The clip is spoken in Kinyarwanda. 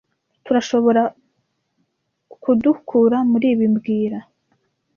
Turashoborakudukura muri ibi mbwira